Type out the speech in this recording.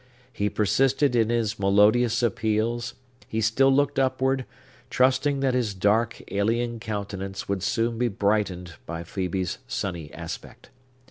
He persisted in his melodious appeals; he still looked upward, trusting that his dark, alien countenance would soon be brightened by Phœbe's sunny aspect.